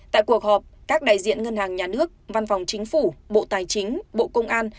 tại cuộc họp các đại diện ngân hàng nhà nước văn phòng chính phủ bộ tài chính bộ công an